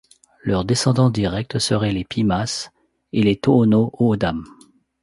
Leurs descendants directs seraient les Pimas et les Tohono O'odham.